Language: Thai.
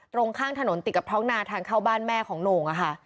ตรงข้างถนนติดกับท้องนาทางเข้าบ้านแม่ของโหน่งค่ะ